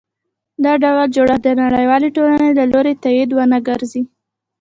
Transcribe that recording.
دا ډول جوړښت د نړیوالې ټولنې له لوري تایید ونه ګرځي.